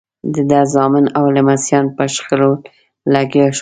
د ده زامن او لمسیان په شخړو لګیا شول.